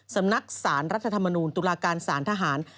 สำนักสารรัฐธรรมนูลตุลาการสารทหาร